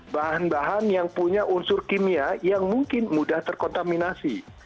bahan bahan yang punya unsur kimia yang mungkin mudah terkontaminasi